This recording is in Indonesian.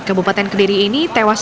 kabupaten kediri ini tewas